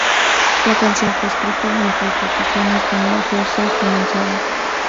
La canción fue escrita mientras las sesiones de "New Jersey" comenzaban.